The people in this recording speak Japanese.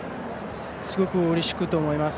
すごくうれしいことだと思います。